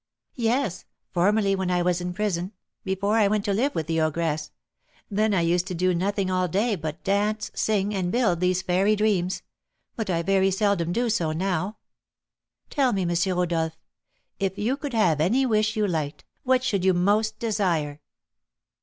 '" "Yes, formerly, when I was in prison, before I went to live with the ogress, then I used to do nothing all day but dance, sing, and build these fairy dreams; but I very seldom do so now. Tell me, M. Rodolph, if you could have any wish you liked, what should you most desire?"